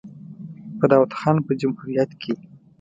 په داوود خان په جمهوریت کې.